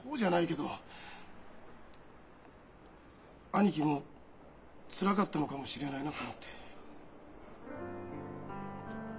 兄貴もつらかったのかもしれないなと思って。